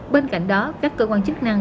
bên cạnh đó các cơ quan chức năng